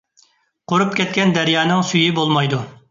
قۇرۇپ كەتكەن دەريانىڭ سۈيى بولمايدۇ.